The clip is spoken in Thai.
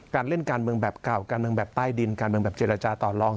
เล่นการเมืองแบบเก่าการเมืองแบบใต้ดินการเมืองแบบเจรจาต่อลอง